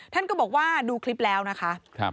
ท่านก็บอกว่าดูคลิปแล้วนะคะ